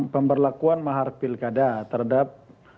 pemberlakuan mahar pilkada terhadap